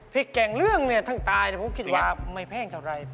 แก่งเรื่องเนี่ยทั้งตายผมคิดว่าไม่แพงเท่าไหร่